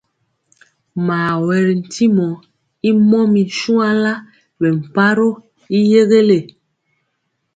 Mawɛtyimɔ y mɔmir shuanla bɛ mparoo y yɛgɛle.